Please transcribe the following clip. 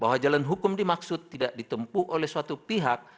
bahwa jalan hukum dimaksud tidak ditempuh oleh suatu pihak